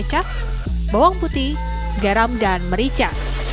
kecap bawang putih garam dan merica